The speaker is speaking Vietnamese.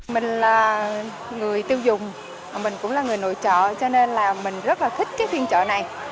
mình là người tiêu dùng mình cũng là người nội trợ cho nên là mình rất là thích cái phiên chợ này